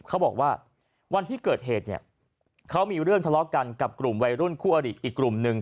เขาบอกว่าวันที่เกิดเหตุเนี่ยเขามีเรื่องทะเลาะกันกับกลุ่มวัยรุ่นคู่อริอีกกลุ่มหนึ่ง